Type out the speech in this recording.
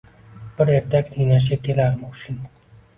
Bir ertak tinglashga kelarmi hushing?!